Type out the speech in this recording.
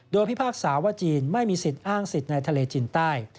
โดยพิพากษาว่าจีนไม่มีสิทธิ์อ้างสิทธิ์ในทะเลจีนใต้